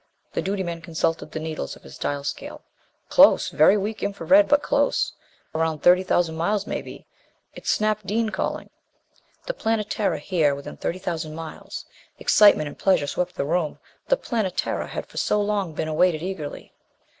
The duty man consulted the needles of his dial scale. "Close! Very weak infra red. But close. Around thirty thousand miles, maybe. It's Snap Dean calling." The Planetara here within thirty thousand miles! Excitement and pleasure swept the room. The Planetara had for so long been awaited eagerly!